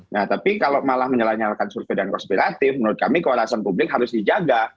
nah tapi kalau malah menyala nyalakan survei dan konspiratif menurut kami kewarasan publik harus dijaga